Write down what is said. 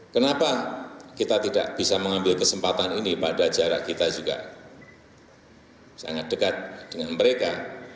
kenapa kita tidak bisa mengambil kesempatan ini pada jarak kita juga sangat dekat dengan mereka